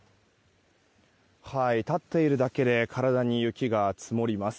立っているだけで体に雪が積もります。